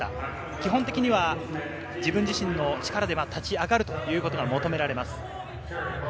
基本的には自分自身の力で立ち上がるということが求められます。